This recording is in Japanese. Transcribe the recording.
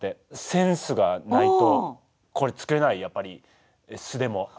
センスがないとこれつくれないやっぱり巣でもあるし。